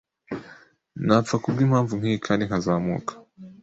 napfa kubwimpamvu nkiyi Kandi nkazamuka